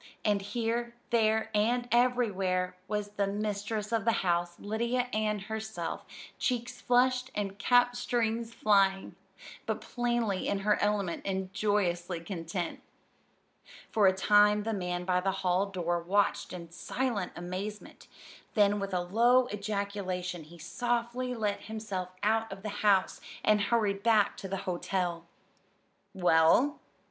And here, there, and everywhere was the mistress of the house, Lydia Ann herself, cheeks flushed and cap strings flying, but plainly in her element and joyously content. For a time the man by the hall door watched in silent amazement; then with a low ejaculation he softly let himself out of the house, and hurried back to the hotel. "Well?"